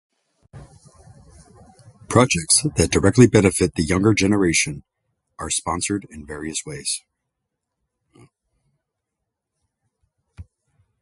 Projects that directly benefit the younger generation are sponsored in various ways.